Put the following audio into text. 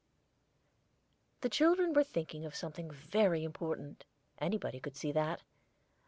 The children were thinking of something very important. Anybody could see that.